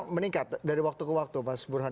meningkat dari waktu ke waktu mas burhan